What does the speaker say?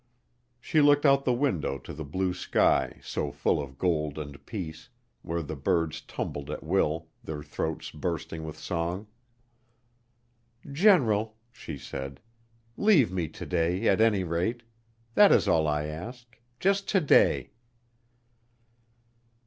She looked out the window to the blue sky so full of gold and peace, where the birds tumbled at will, their throats bursting with song. "General," she said, "leave me to day, at any rate. That is all I ask, just to day."